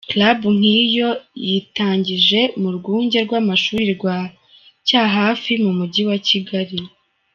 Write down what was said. Club” nk’iyo yayitangije mu Rwunge rw’amashuri rwa Cyahafi mu Mujyi wa Kigali.